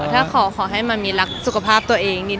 ถ้าขอให้มันมีรักสุขภาพตัวเองนิดน